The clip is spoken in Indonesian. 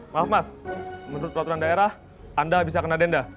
maaf mas menurut peraturan daerah anda bisa kena denda